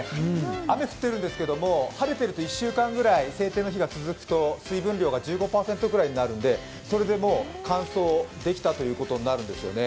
雨降ってるんですけど晴れてると１週間ぐらい晴天の日が続くとそれでもう乾燥できたということになるんですよね。